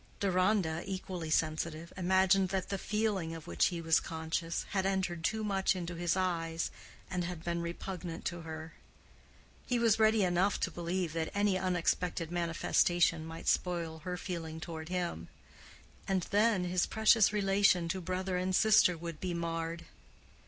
Deronda, equally sensitive, imagined that the feeling of which he was conscious, had entered too much into his eyes, and had been repugnant to her. He was ready enough to believe that any unexpected manifestation might spoil her feeling toward him—and then his precious relation to brother and sister would be marred.